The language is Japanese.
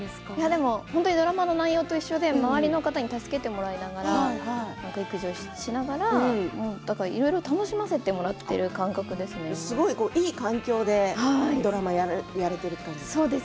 でも本当にドラマの内容と一緒で周りの方に助けてもらいながら育児をしながらいろいろ楽しませてもらっているいい環境でドラマをやっている感じですね。